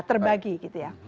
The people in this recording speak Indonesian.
terbagi gitu ya